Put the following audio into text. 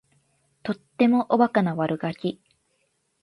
とってもおバカな悪ガキ